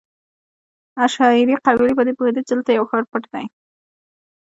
عشایري قبیله په دې پوهېده چې دلته یو ښار پټ دی.